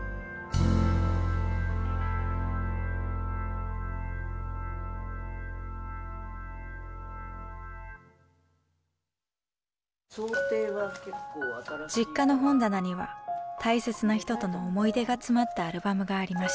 実家の本棚には大切な人との思い出が詰まったアルバムがありました。